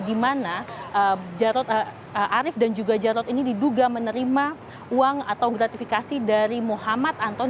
di mana jarod arief dan juga jarod ini diduga menerima uang atau gratifikasi dari muhammad anton